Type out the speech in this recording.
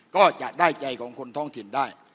ก็จะได้ใจของคนท้องถิ่นได้